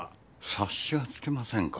察しがつきませんか？